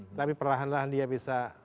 tapi perlahan lahan dia bisa